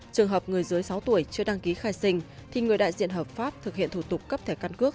trường hợp người dưới sáu tuổi chưa đăng ký khai sinh thì người đại diện hợp pháp thực hiện thủ tục cấp thẻ căn cước